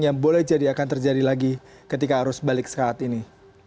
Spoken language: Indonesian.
yang boleh jadi akan terjadi lagi ketika arus balik saat ini